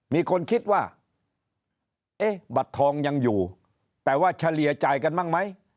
มีคนคิดว่าเอ๊ะบัตรทองยังอยู่แต่ว่าเฉลี่ยจ่ายกันบ้างไหม